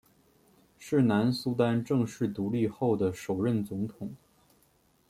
是南苏丹正式独立后的首任总统。